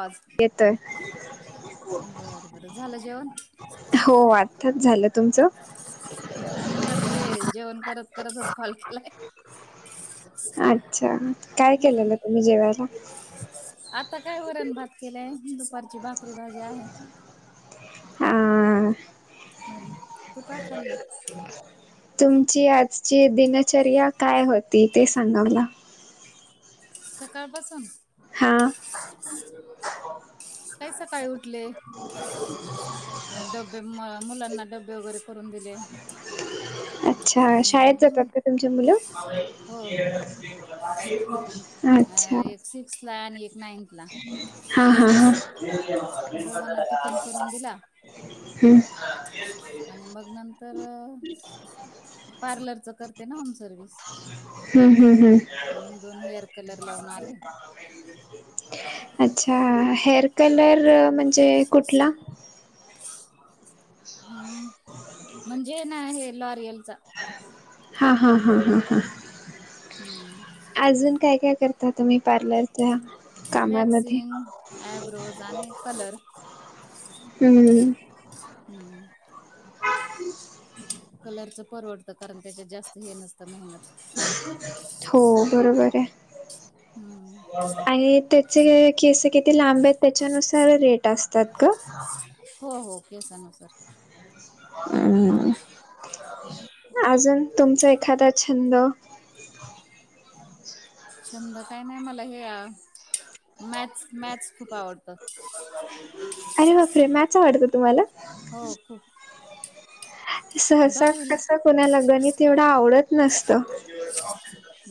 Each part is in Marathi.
आज, येतोय बर बरं झालं जेवण? हो आत्ताच झालं. तुमचं? झा करते, जेवण करत करतच कॉल केलाय. अच्छा, काय केलेलं तुम्ही जेवायला? आता काय वरण भात केलंय. दुपारची भाकरी भाजी आहे. हां. हम्म तू काय खांल? ह् [inaudible] तुमची आजची दिनचर्या काय होती ते सांगा मला? सकाळपासून? हा. काय सकाळी उठले? डबे मुलांना डबे वगैरे करून दिले. अच्छा, आणि शाळेत जातात हं, का तुमच्या मुलं? हो हो हो उं. एक सिक्सला आणि एक नाईनथला. हा हा हा. दोघांना टिफिन करून दिला हुं. आणि मग नंत र पार्लरच करते ना होम सर्विस. हू हू हू. दोन हेअर कलर लावून आले. अच्छा, हेअर कलर म्हणजे कुठला? हम्म [inaudible] म्हणजे ना हे लॉरियल चा. हा हा हा हा हा. हू. अजून काय काय करता तुम्ही पार्लर च्या कामामध्ये? वॅक्सिंग आयब्रोज आणि कलर हुं. हम्म. कलरच परवडतं, कारण त्याच्यात जास्त हे नसतं मेहनत. हो, बरोबर आहे. हम्म. आणि, त्याचे हे, केस किती लांब आहेत. त्याच्यानुसार रेट असतात का? हो-हो, केसा नुसार. अम्, अजून तुमचा एखादा छंद? छंद काही नाही मला, हे मॅथ्स-मॅथ्स खूप आवडतात. अरे बापरे, मॅच आवडत तुम्हाला? हो, खूप. सहसा दहावीला कसा, कुणाला गणित येवढं आवडत नसत.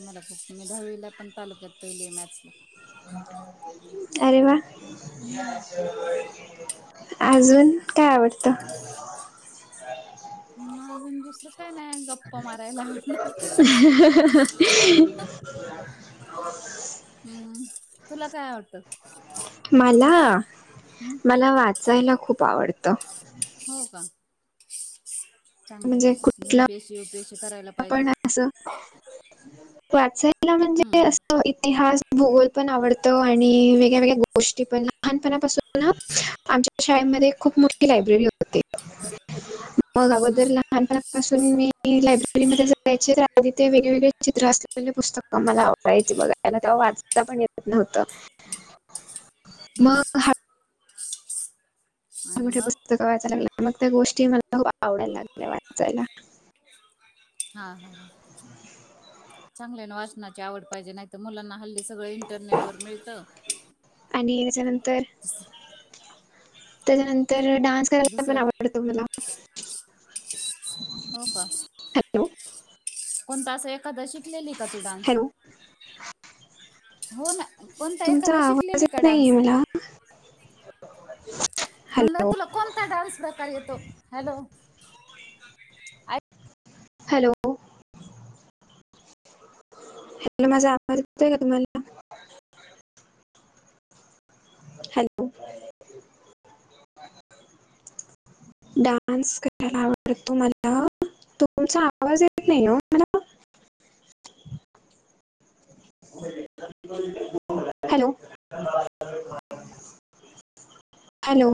मला खूप, मी दहावीला पण तालुक्यात पहिली आहे. मॅथ्स् ला. अरे वा हम्म अजून काय आवडतं? [inaudible] हम्म, अजून दुसरं काय नाही गप्पा मारायला आवडणार हम्म, तुला काय आवटतं? मला, हम्म मला वाचायला खूप आवडतं. हो का चांगले मग, M P C, U P C करायला. पाहिजे आपण अस, वाचायला म्हणजे हम्म अस इतिहास भूगोल पण आवडतं. आणि वेगळ्या-वेगळ्या गोष्टी पण, लहानपणापासून आमच्या शाळेमध्ये खूप मोठी लायब्ररी होती. मग अगोदर हम्म लहानपणापासून मी लायब्ररी लायब्ररी मध्ये जगायचे, तर तिथे ते वेगळेवेगळे चित्र असलेले पुस्तकं मला आवडायचे बघायला, तेव्हा वाचता पण येत नव्हत. हम्म. आणि मोठे मग पुस्तक वाचायला लागल्या, मग त्या गोष्टी मला खूप आवडयला लागल्या वाचायला. हा-हा-हा चांगल्याने वाचनाची आवड पाहिजे. नाहीत तर मुलांना हल्ली सगळं इंटरनेट वर मिळतं. आणि त्याच्यानंतर, त्याच्यानंतर डान्स करायला पण दुसरं आवडतं तो मला. हो का, हॅलो कोणता अस एखादा शिकलेली का तू डान्स? हॅलो हो ना, कोणता तुमचा एखादा आवाज शिकलेली का येत नाहीये डान्स? [inaudible] म्हणलं, हॅलो तुला कोणता डान्स प्रकार येतो? हॅलो. हॅलो. इतन माझा आवाज येतोय का तुम्हाला? हॅलो. डान्स करायला आवडत तो मला. तुमचा आवाज येत नाही मला? [inaudible] Hello hello